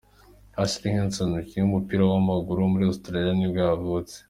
Ashley Hansen, umukinnyi w’umupira w’amaguru wo muri Australia nibwo yavutse.